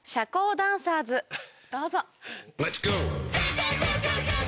どうぞ。